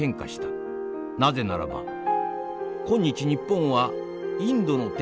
なぜならば今日日本はインドの敵